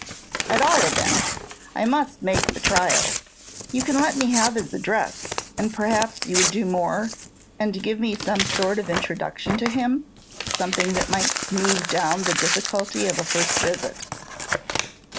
"At all events, I must make the trial. You can let me have his address, and perhaps you would do more, and give me some sort of introduction to him, something that might smooth down the difficulty of a first visit."